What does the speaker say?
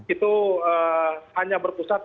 itu hanya berpusat